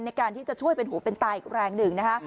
ในการที่จะช่วยเป็นหูเป็นตาอีกแรงหนึ่งนะคะ